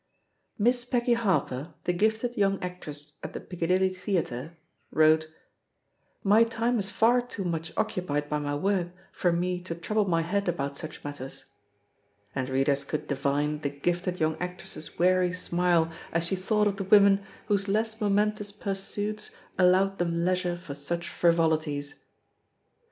"Miss Peggy Harper, the gifted yoimg actress at the Picca dilly Theatre," wrote : "My time is far too much occupied by my work for me to trouble my head about such matters." And readers could divine the gifted young actress's weary smile as she thought of the women whose less momentous pur suits allowed them leisure for such frivolities.